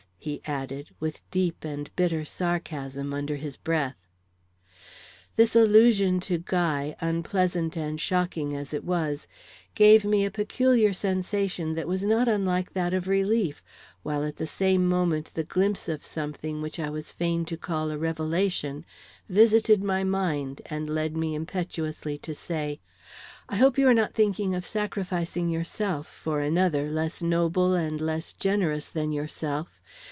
he added, with deep and bitter sarcasm, under his breath. This allusion to Guy, unpleasant and shocking as it was, gave me a peculiar sensation that was not unlike that of relief, while at the same moment the glimpse of something, which I was fain to call a revelation, visited my mind and led me impetuously to say: "I hope you are not thinking of sacrificing yourself for another less noble and less generous than yourself.